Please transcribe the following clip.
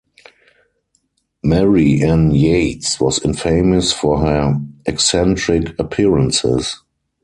Mary Ann Yates was infamous for her eccentric appearances.